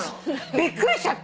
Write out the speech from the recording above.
びっくりしちゃって。